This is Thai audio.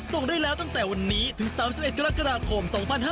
ส่งได้แล้วตั้งแต่วันนี้ถึง๓๑กรกฎาคม๒๕๕๙